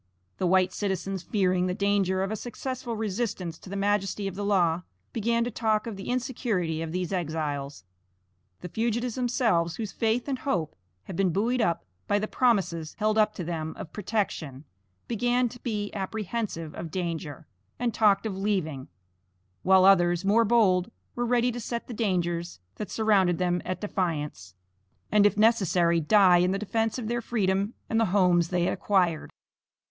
The white citizens fearing the danger of a successful resistance to the majesty of the law, began to talk of the insecurity of these exiles. The fugitives themselves, whose faith and hope had been buoyed up by the promises held up to them of protection, began to be apprehensive of danger, and talked of leaving, while others, more bold, were ready to set the dangers that surrounded them at defiance, and if necessary, die in the defence of their freedom and the homes they had acquired.